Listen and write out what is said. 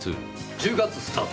１０月スタート